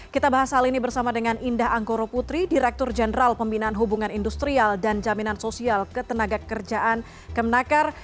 kita bahas hal ini bersama dengan indah angkoro putri direktur jenderal pembinaan hubungan industrial dan jaminan sosial ketenagakerjaan kemenakar